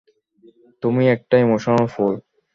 তুমি একটা ইমোশনাল ফুল।